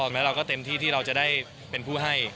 แม้เราก็เต็มที่ที่เราจะได้เป็นผู้ให้